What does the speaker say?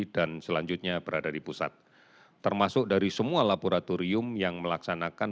dan selanjutnya berada di pusat termasuk dari semua laboratorium yang melaksanakan